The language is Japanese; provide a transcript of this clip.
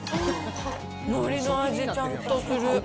のりの味ちゃんとする！